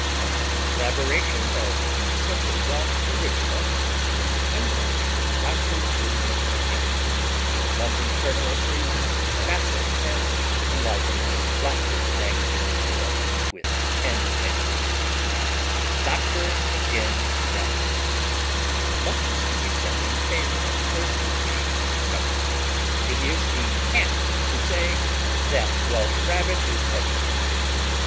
An elaboration of the simple Welsh original went English with Dr. William Maginn, the London journalist whose facile pen enlivened the Blackwoods Magazine era with Ten Tales: Dr. Maginn's Rabbit Much is to be said in favor of toasted cheese for supper. It is the cant to say that Welsh rabbit is heavy eating.